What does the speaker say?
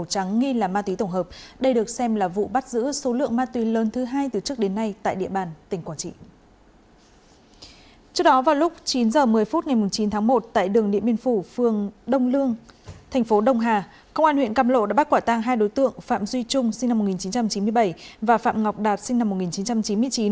công an huyện càm lộ đã bắt quả tang hai đối tượng phạm duy trung sinh năm một nghìn chín trăm chín mươi bảy và phạm ngọc đạt sinh năm một nghìn chín trăm chín mươi chín